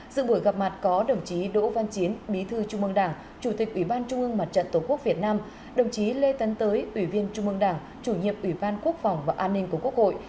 dự buổi gặp mặt có đồng chí đỗ văn chiến bí thư trung mương đảng chủ tịch ủy ban trung ương mặt trận tổ quốc việt nam đồng chí lê tấn tới ủy viên trung mương đảng chủ nhiệm ủy ban quốc phòng và an ninh của quốc hội